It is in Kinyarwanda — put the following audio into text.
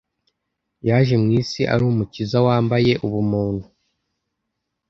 Yaje mu isi ari Umukiza wambaye ubumuntu